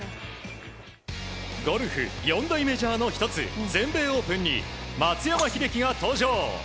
ゴルフ四大メジャーの１つ全米オープンに松山英樹が登場。